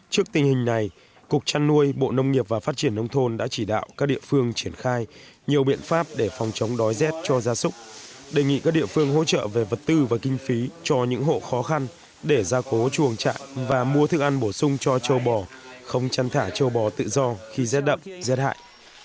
trước tình hình này cục trăn nuôi bộ nông nghiệp và phát triển nông thôn đã chỉ đạo các địa phương triển khai nhiều biện pháp để phòng chống đói rét cho gia súc đề nghị các địa phương hỗ trợ về vật tư và kinh phí cho những hộ khó khăn để gia cố chuồng trại và mua thức ăn bổ sung cho châu bò không chăn thả châu bò tự do khi rét đậm rét hại